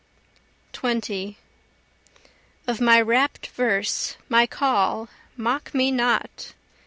20 O my rapt verse, my call, mock me not!